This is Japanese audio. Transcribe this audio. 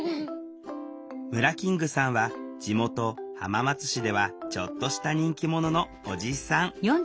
ムラキングさんは地元浜松市ではちょっとした人気者のおじさん。